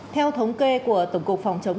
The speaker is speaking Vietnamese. theo thống kê của tổng cục phòng chống